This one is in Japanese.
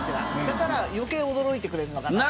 だから余計驚いてくれるのかな。